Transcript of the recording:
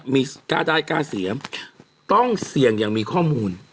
มีกล้าได้กล้าเสียต้องเสี่ยงอย่างมีข้อมูล